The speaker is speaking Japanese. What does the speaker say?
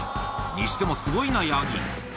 にしても、すごいな、ヤギ。